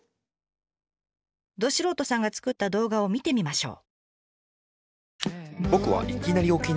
ど素人さんが作った動画を見てみましょう。